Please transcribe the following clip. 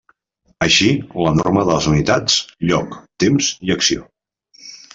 Així, la norma de les unitats, lloc, temps i acció.